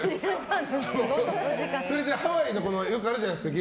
ハワイのよくあるじゃないですか。